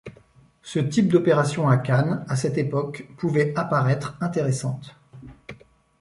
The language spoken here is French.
Ce type d'opération à Cannes, à cette époque, pouvait apparaître intéressante.